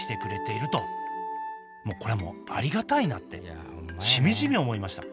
これはもうありがたいなってしみじみ思いました。